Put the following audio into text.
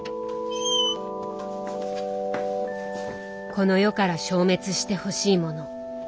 この世から消滅してほしいもの。